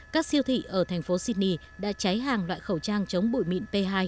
các siêu thị ở thành phố sydney đã cháy hàng loại khẩu trang chống bụi mịn p hai